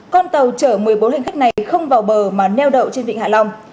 con tàu chở một mươi bốn hành khách này không vào bờ mà neo đậu trên vịnh hạ long